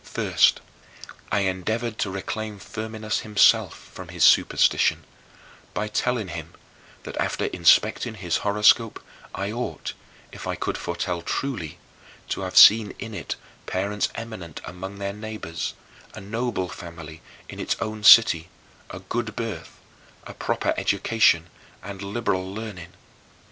First, I endeavored to reclaim Firminus himself from his superstition by telling him that after inspecting his horoscope, I ought, if I could foretell truly, to have seen in it parents eminent among their neighbors, a noble family in its own city, a good birth, a proper education, and liberal learning.